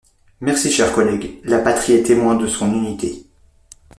Merci, chers collègues. La patrie est témoin de son unité.